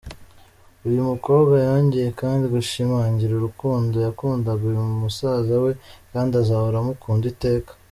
Uyu mukobwa yongeye kandi gushimangira urukundo yakundaga uyu musaza we kandi azahora amukunda iteka.